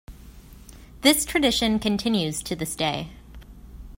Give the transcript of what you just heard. This tradition continues to this day.